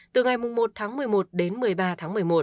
từ ngày một tháng một mươi một đến một mươi ba tháng một mươi một